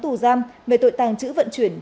tù giam về tội tàng trữ vận chuyển